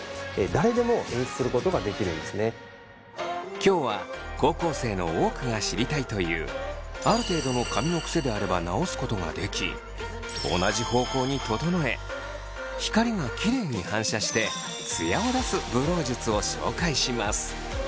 今日は高校生の多くが知りたいというある程度の髪のくせであれば直すことができ同じ方向に整え光がキレイに反射してツヤを出すブロー術を紹介します。